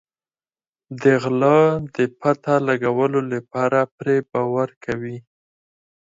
د غله د پته لګولو لپاره پرې باور کوي.